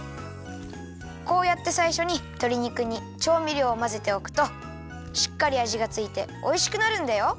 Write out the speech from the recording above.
こうやってさいしょにとり肉にちょうみりょうをまぜておくとしっかりあじがついておいしくなるんだよ。